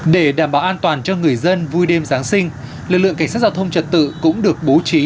để đảm bảo an toàn cho người dân vui đêm giáng sinh lực lượng cảnh sát giao thông trật tự cũng được bố trí